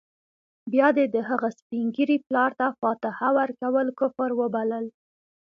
بيا دې د هغه سپین ږیري پلار ته فاتحه ورکول کفر وبلل.